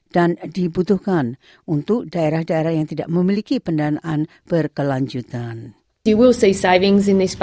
dan dibutuhkan untuk daerah daerah yang tidak memiliki pendanaan berkelanjutan